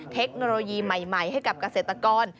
เทคโนโลยีใหม่ให้กับเกษตรกร